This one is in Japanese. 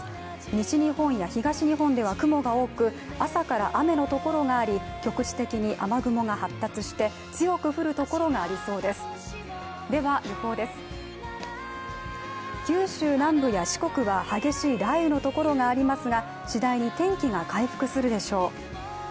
西日本や東日本では雲が多く朝から雨のところがあり、局地的に雨雲が発達して強く降るところがありそうです